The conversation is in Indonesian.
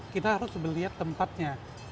kita harus melihat tempatnya